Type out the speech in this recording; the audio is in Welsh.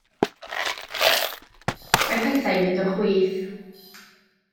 Mae pethau yn mynd o chwith.